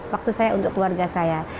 waktu saya untuk keluarga saya